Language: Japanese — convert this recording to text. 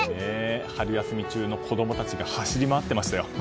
春休み中の子供たちが走り回ってましたよ。